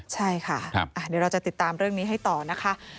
ใช่ค่ะเดี๋ยวเราจะติดตามเรื่องนี้ให้ต่อนะคะ